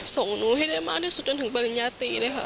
ส่งหนูให้ได้มากที่สุดจนกว่าที่บรรยาตรี